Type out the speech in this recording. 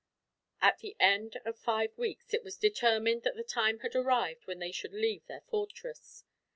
At the end of five weeks it was determined that the time had arrived when they should leave their fortress.